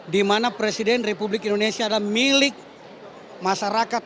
di mana presiden republik indonesia adalah milik masyarakat